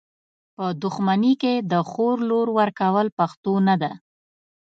په دښمني کي د خور لور ورکول پښتو نده .